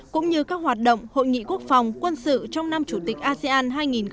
cũng như các hoạt động hội nghị quốc phòng quân sự trong năm chủ tịch asean hai nghìn hai mươi